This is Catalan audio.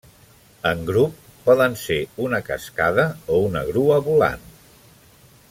En grup, poden ser una cascada o una grua volant.